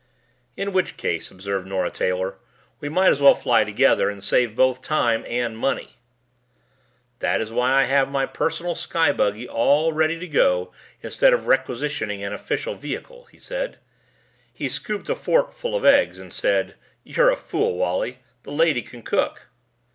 "In which case," observed Nora Taylor, "we might as well fly together and save both time and money." "That is why I have my personal sky buggy all ready to go instead of requisitioning an official vehicle," he said. He scooped a fork full of eggs and said, "You're a fool, Wally. The lady can cook."